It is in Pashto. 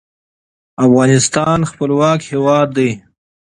افغانستان خپلواک هیواد دی.